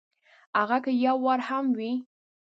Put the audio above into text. هغه که یو وار هم وي !